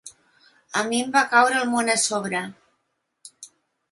A mi em va caure el món a sobre.